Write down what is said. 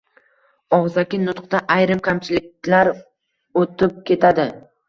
Og‘zaki nutqda ayrim kamchiliklar o‘tib ketadi.